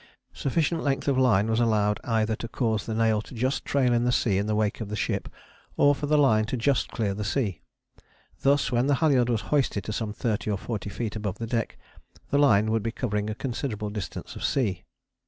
Sufficient length of line was allowed either to cause the nail to just trail in the sea in the wake of the ship or for the line to just clear the sea. Thus when the halyard was hoisted to some thirty or forty feet above the deck, the line would be covering a considerable distance of sea.